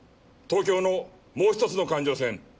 東京のもう一つの環状線。